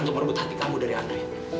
untuk merebut hati kamu dari anda